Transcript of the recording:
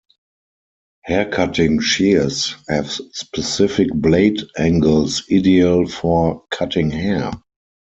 Hair-cutting shears have specific blade angles ideal for cutting hair.